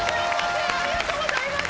ありがとうございます！